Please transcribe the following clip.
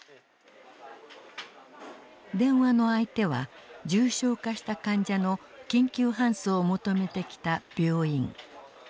電話の相手は重症化した患者の緊急搬送を求めてきた病院。